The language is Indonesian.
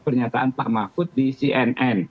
pernyataan pak mahfud di cnn